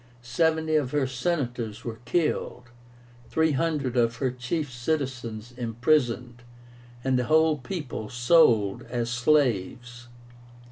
Seventy of her Senators were killed, three hundred of her chief citizens imprisoned, and the whole people sold as slaves.